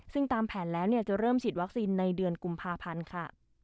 ซึ่งตามแผนแล้วจะเริ่มฉีดวัคซีนในเดือนกุมภาพันธ์ค่ะ